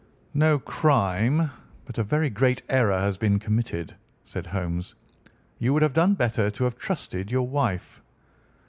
"No crime, but a very great error has been committed," said Holmes. "You would have done better to have trusted your wife."